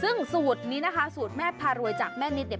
ซึ่งสูตรนี้นะคะสูตรแม่พารวยจากแม่นิดเนี่ย